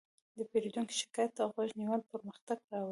د پیرودونکي شکایت ته غوږ نیول پرمختګ راولي.